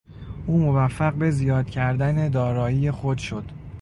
او موفق به زیاد کردن دارایی خود شد.